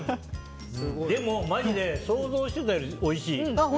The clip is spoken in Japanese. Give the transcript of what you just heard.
でもマジで想像してたよりおいしい。